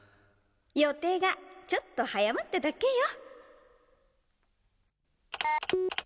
よていがちょっとはやまっただけよ。